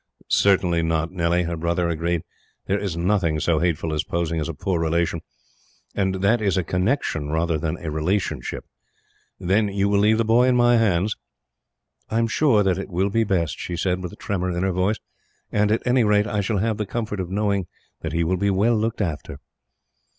"Certainly not, Nellie," her brother agreed. "There is nothing so hateful as posing as a poor relation and that is a connection rather than a relationship. Then you will leave the boy in my hands?" "I am sure that it will be best," she said, with a tremor in her voice, "and at any rate, I shall have the comfort of knowing that he will be well looked after."